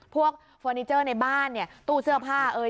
เฟอร์นิเจอร์ในบ้านเนี่ยตู้เสื้อผ้าเอ่ย